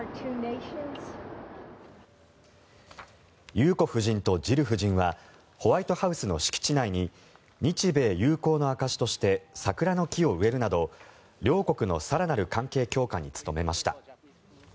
裕子夫人とジル夫人はホワイトハウスの敷地内に日米友好の証しとして桜の木を植えるなど両国の更なる関係強化に努めました。